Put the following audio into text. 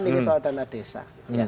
ini soal dana desa